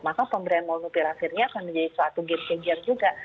maka pemberian molnupiravirnya akan menjadi suatu game changer juga